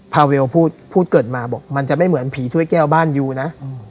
พาเวลพูดเกิดมาบอกมันจะไม่เหมือนผีถ้วยแก้วบ้านยูนะ